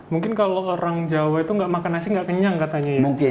mungkin kalau orang jawa itu nggak makan nasi nggak kenyang katanya ya